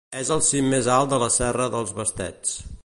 És el cim més alt de la Serra dels Bastets.